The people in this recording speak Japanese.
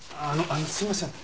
あのすみません。